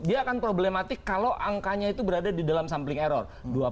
dia akan problematik kalau angkanya itu berada di dalam sampling error